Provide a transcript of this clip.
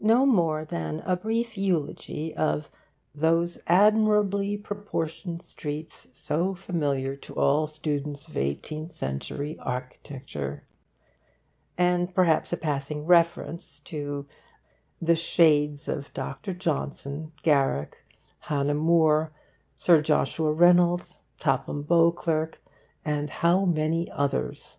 No more than a brief eulogy of 'those admirably proportioned streets so familiar to all students of eighteenth century architecture,' and perhaps a passing reference to 'the shades of Dr. Johnson, Garrick, Hannah More, Sir Joshua Reynolds. Topham Beauclerk, and how many others!